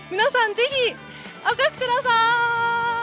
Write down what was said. ぜひ、お越しください！